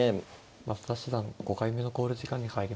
増田七段５回目の考慮時間に入りました。